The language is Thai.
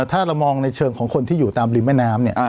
ถ้าเรามองในเชิงของคนที่อยู่ตามริมแม่น้ำเนี่ย